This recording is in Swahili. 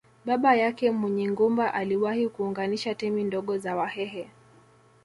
Baba yake Munyingumba aliwahi kuunganisha temi ndogo za Wahehe